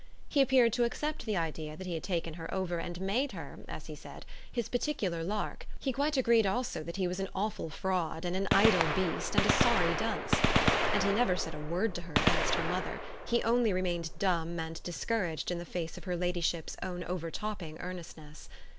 He appeared to accept the idea that he had taken her over and made her, as he said, his particular lark; he quite agreed also that he was an awful fraud and an idle beast and a sorry dunce. And he never said a word to her against her mother he only remained dumb and discouraged in the face of her ladyship's own overtopping earnestness.